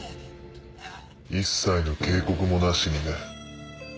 一切の警告もなしにね。